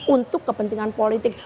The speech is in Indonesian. untuk kepentingan politik